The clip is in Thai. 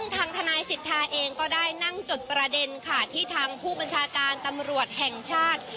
ที่ทางผู้บัญชาการตำรวจแห่งชาติ